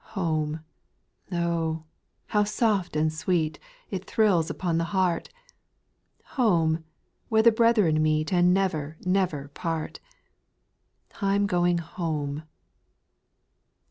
8. Home 1 oh ! how soft and sweet. It thrills upon the heart ! Home ! where the brethren meet And never, never part. I 'm going home.